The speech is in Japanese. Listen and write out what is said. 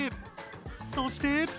そして。